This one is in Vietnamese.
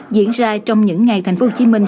diễn ra trong những ngày thành phố hồ chí minh